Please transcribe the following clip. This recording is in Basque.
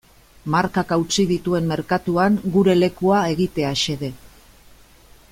Markak hautsi dituen merkatuan gure lekua egitea xede.